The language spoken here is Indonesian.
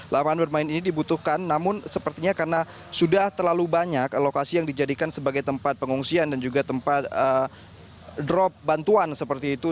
lapangan bermain ini dibutuhkan namun sepertinya karena sudah terlalu banyak lokasi yang dijadikan sebagai tempat pengungsian dan juga tempat drop bantuan seperti itu